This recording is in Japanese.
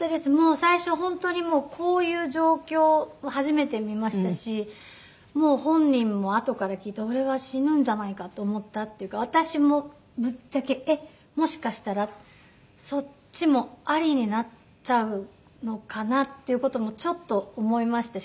最初本当にもうこういう状況を初めて見ましたし本人もあとから聞いたら俺は死ぬんじゃないかって思ったって言うから私もぶっちゃけえっもしかしたらそっちもありになっちゃうのかなっていう事もちょっと思いましたし。